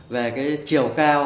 về cái chiều cao